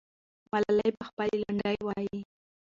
ملالۍ به خپلې لنډۍ وایي.